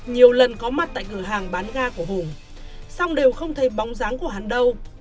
nhiều lần có mặt tại cửa hàng bán ga của hùng song đều không thấy bóng dáng của hắn đâu